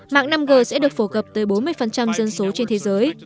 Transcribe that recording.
mạng năm g sẽ được phổ gập tới bốn mươi dân số trên thế giới